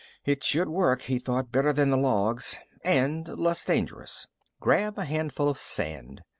It should work, he thought, better than the logs and less dangerous. Grab a handful of sand.